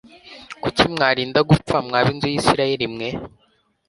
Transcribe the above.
kuki mwarinda gupfa, mwa b'inzu y'isiraheri mwe